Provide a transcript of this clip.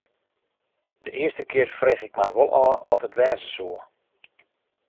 De earste kear frege ik my wol ôf wat it wêze soe.